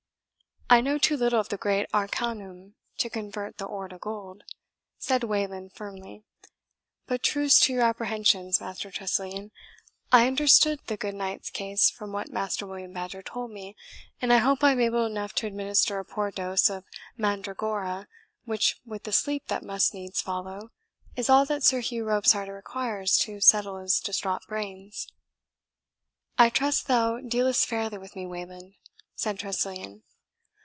"I know too little of the great ARCANUM to convert the ore to gold," said Wayland firmly. "But truce to your apprehensions, Master Tressilian. I understood the good knight's case from what Master William Badger told me; and I hope I am able enough to administer a poor dose of mandragora, which, with the sleep that must needs follow, is all that Sir Hugh Robsart requires to settle his distraught brains." "I trust thou dealest fairly with me, Wayland?" said Tressilian.